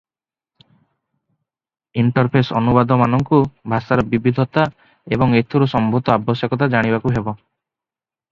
Interface ଅନୁବାଦକମାନଙ୍କୁ ଭାଷାର ବିବିଧତା ଏବଂ ଏଥିରୁ ସମ୍ଭୂତ ଆବଶ୍ୟକତା ଜାଣିବାକୁ ହେବ ।